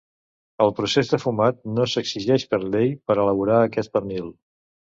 El procés de fumat no s'exigeix per llei per elaborar aquest pernil.